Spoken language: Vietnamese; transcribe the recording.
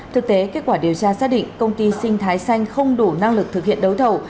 thực tế kết quả điều tra xác định công ty sinh thái xanh không đủ năng lực thực hiện đấu thầu